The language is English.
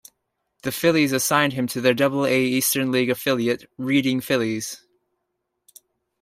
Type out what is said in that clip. The Phillies' assigned him to their Double-A Eastern League affiliate, Reading Phillies.